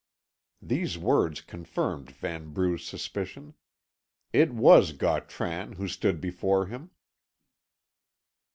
These words confirmed Vanbrugh's suspicion. It was Gautran who stood before him.